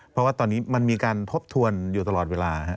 เพราะว่าตอนนี้มันมีการทบทวนอยู่ตลอดเวลา